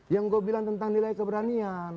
yang gue bilang tentang nilai keberanian